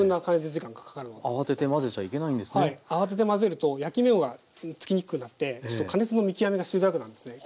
慌てて混ぜると焼き目がつきにくくなって加熱の見極めがしづらくなるんですね。